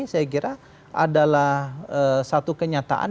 saya kira adalah satu kenyataan